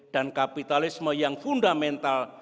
dan kapitalisme yang fundamental